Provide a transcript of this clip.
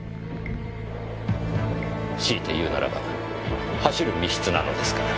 強いて言うならば走る密室なのですから。